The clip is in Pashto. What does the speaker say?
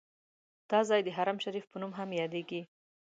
دا ځای د حرم شریف په نوم هم یادیږي.